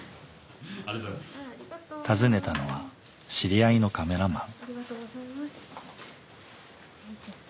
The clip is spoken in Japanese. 訪ねたのは知り合いのカメラマン。